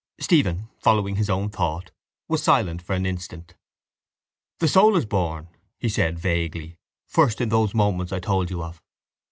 Stephen, following his own thought, was silent for an instant. —The soul is born, he said vaguely, first in those moments I told you of.